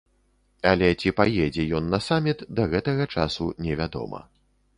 Але, ці паедзе ён на саміт, да гэтага часу не вядома.